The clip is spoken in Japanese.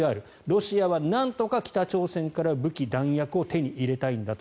ロシアはなんとか北朝鮮から武器弾薬を手に入れたいんだと。